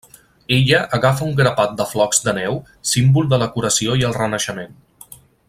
Ella agafa un grapat de flocs de neu, símbol de la curació i el renaixement.